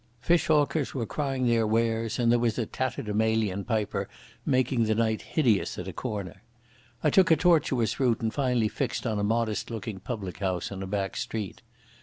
Fish hawkers were crying their wares, and there was a tatterdemalion piper making the night hideous at a corner. I took a tortuous route and finally fixed on a modest looking public house in a back street.